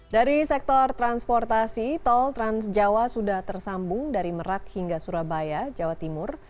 dari sektor transportasi tol transjawa sudah tersambung dari merak hingga surabaya jawa timur